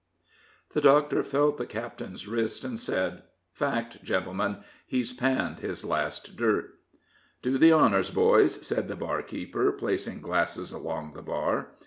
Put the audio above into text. The doctor felt the captain's wrist, and said: "Fact, gentlemen, he's panned his last dirt." "Do the honors, boys," said the barkeeper, placing glasses along the bar.